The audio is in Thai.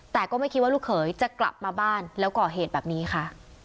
แต่ก็ไม่คิดว่าลูกเขยจะกลับมาบ้านแล้วก่อเหตุแบบนี้ค่ะ